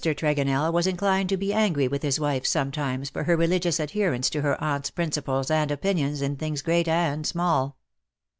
Tregonell was inclined to be angry with his 166 '^AND PALE FROM THE PAST wife sometimes for her religious arllierence to her aunt's principles and opinions in things great and small.